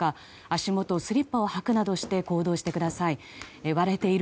足元、スリッパを履くなどして行動してください。